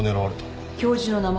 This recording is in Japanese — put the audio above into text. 教授の名前は？